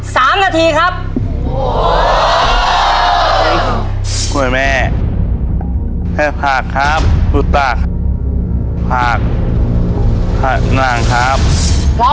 ถ้าเรื่องของเราที่รักของคุณ